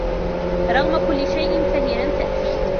رغم كل شيء فهي لم تأتي.